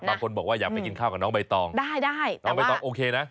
บางคนบอกว่าอยากไปกินข้าวกับน้องใบตองได้โอเคนะ